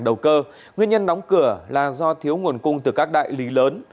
đầu cơ nguyên nhân đóng cửa là do thiếu nguồn cung từ các đại lý lớn